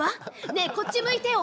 ねえこっち向いてよ。